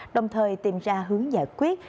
đồng thời tìm ra hướng giải quyết